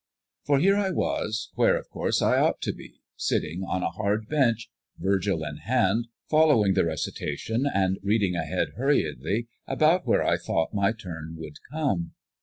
For here I was, where of course I ought to be, sitting on a hard bench, Virgil in hand, following the recitation and reading ahead hurriedly about where I thought my turn would come.